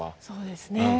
そうですね。